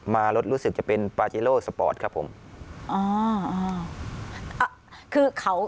มารถรู้สึกจะเป็นปาเจโร่สปอร์ตครับผมอ๋อคือเขา